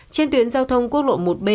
trên tuyến giao thông quốc lộ một b